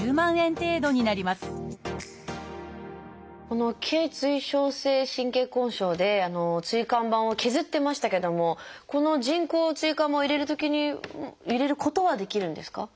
この頚椎症性神経根症で椎間板を削ってましたけどもこの人工椎間板を入れることはできるんですか？